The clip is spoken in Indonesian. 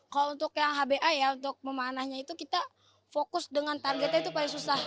kalau untuk yang hba ya untuk memanahnya itu kita fokus dengan targetnya itu paling susah